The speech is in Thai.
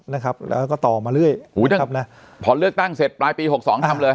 นะครับแล้วก็ต่อมาเรื่อยอุ้ยทำนะพอเลือกตั้งเสร็จปลายปีหกสองทำเลย